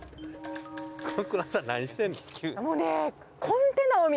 小倉さん何してんの？